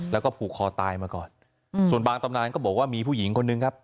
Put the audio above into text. แล้วก็ผูกคอตายมาก่อนอืมส่วนบางตำนานก็บอกว่ามีผู้หญิงคนนึงครับ